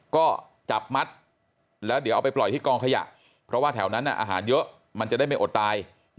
ก็จับมัดแล้วเดี๋ยวเอาไปปล่อยที่กองขยะเพราะว่าแถวนั้นอาหารเยอะมันจะได้ไม่อดตาย